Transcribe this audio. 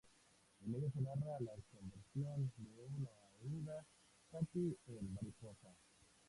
En ella se narra la conversión de una oruga, Katy, en mariposa.